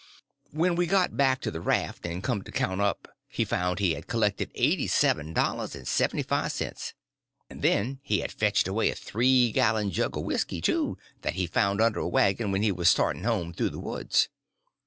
When we got back to the raft and he come to count up he found he had collected eighty seven dollars and seventy five cents. And then he had fetched away a three gallon jug of whisky, too, that he found under a wagon when he was starting home through the woods.